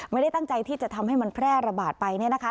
ไม่ได้ตั้งใจที่จะทำให้มันแพร่ระบาดไปเนี่ยนะคะ